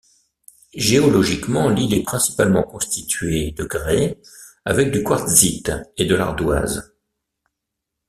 Géologiquement, l'île est principalement constituée de grès, avec du quartzite et de l'ardoise.